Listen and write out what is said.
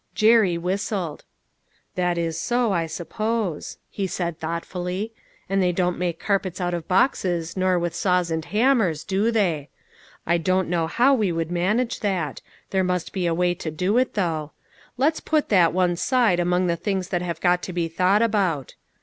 Jerry whistled. " That is so, I suppose," he said thoughtfully ; "and they don't make carpets out of boxes, nor with saws and hammers, do they ? I don't 104 LITTLE FISHEKS: AND THEIR NETS. know how we would manage that. There must be a way to do it, though. Let's put that one side among the things that have got to be thought about."